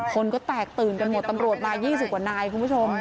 คนก็แตกตื่นกันหมดตำรวจมา๒๐กว่านายคุณผู้ชม